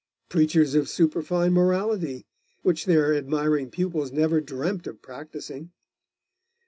Preachers of superfine morality.... which their admiring pupils never dreamt of practising.